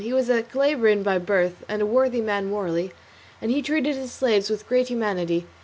He was a Calabrian by birth, and a worthy man morally, and he treated his slaves with great humanity.